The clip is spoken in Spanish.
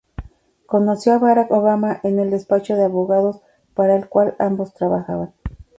Conoció a Barack Obama en el despacho de abogados para el cual ambos trabajaban.